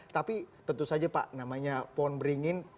tapi tentu saja pak namanya pohon beringin